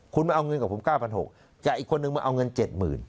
คุณมาเอาเงินกับผมเก้าพันหกแต่อีกคนนึงมาเอาเงินเจ็ดหมื่น